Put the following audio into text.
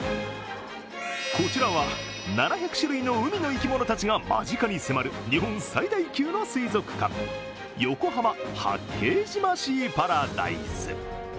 こちらは、７００種類の海の生き物たちが間近に迫る日本最大級の水族館横浜・八景島シーパラダイス。